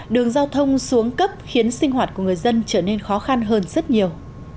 đường giao thông xuống cấp khiến sinh hoạt của người dân trở nên khó khăn hơn rất nhiều